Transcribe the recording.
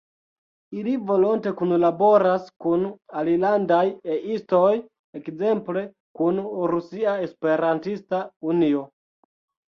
Ili volonte kunlaboras kun alilandaj E-istoj, ekzemple kun Rusia Esperantista Unio.